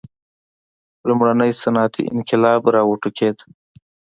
لومړنی صنعتي انقلاب را وټوکېد.